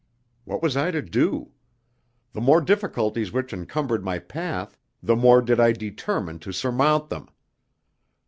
What was I to do? The more difficulties which encumbered my path, the more did I determine to surmount them.